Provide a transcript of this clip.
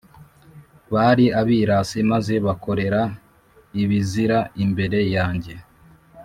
Bari abirasi, maze bakorera ibizira imbere yanjye